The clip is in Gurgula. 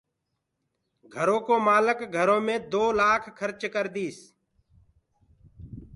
گھرو ڪو مآلڪ گھرو مي دو لآک کرچ ڪرديس